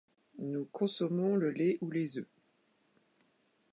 nous consommons le lait ou les oeufs